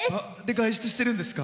外出してるんですか？